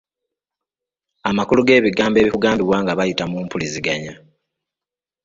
Amakulu g'ebigambo ebikugambibwa nga bayita mu mpulizigznya.